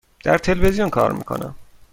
در تلویزیون کار می کنم.